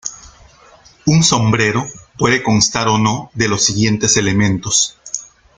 Un sombrero puede constar o no de los siguientes elementos.